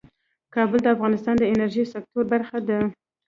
کابل د افغانستان د انرژۍ سکتور برخه ده.